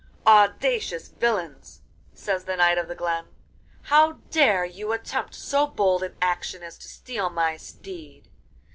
'Audacious villains!' says the Knight of the Glen, 'how dare you attempt so bold an action as to steal my steed?